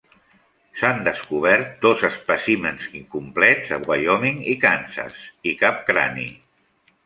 S'han descobert dos espècimens incomplets a Wyoming i Kansas, i cap crani.